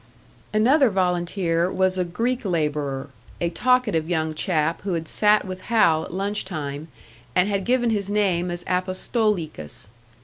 Another volunteer was a Greek labourer, a talkative young chap who had sat with Hal at lunch time, and had given his name as Apostolikas.